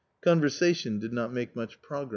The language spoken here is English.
Conversation did not make much progress.